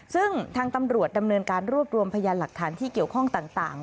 ซึ่งทางตำรวจดำเนินการรวบรวมพยานหลักฐานที่เกี่ยวข้องต่าง